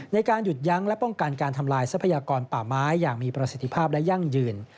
ในการหยุดยั้งและป้องกันการทำลายทรัพยากรป่าไม้อย่างมีประสิทธิภาพและยั่งยืน